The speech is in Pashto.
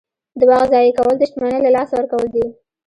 • د وخت ضایع کول د شتمنۍ له لاسه ورکول دي.